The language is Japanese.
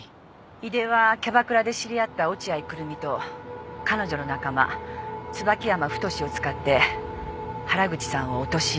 井出はキャバクラで知り合った落合久瑠実と彼女の仲間椿山太を使って原口さんを陥れた。